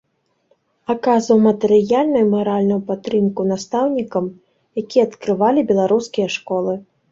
Аказваў матэрыяльную і маральную падтрымку настаўнікам, якія адкрывалі беларускія школы.